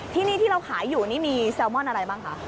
ที่นี่ที่เราขายอยู่นี่มีแซลมอนอะไรบ้างคะ